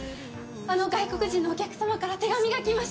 あの外国人のお客様から手紙が来ました。